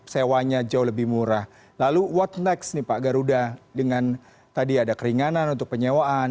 sewanya jauh lebih murah lalu what next nih pak garuda dengan tadi ada keringanan untuk penyewaan